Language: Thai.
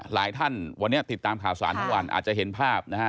หลายท่านวันนี้ติดตามข่าวสารทั้งวันอาจจะเห็นภาพนะฮะ